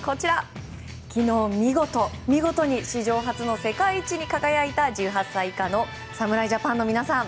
昨日、見事に史上初の世界一に輝いた１８歳以下の侍ジャパンの皆さん。